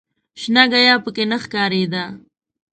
شنه ګیاه په کې نه ښکارېده.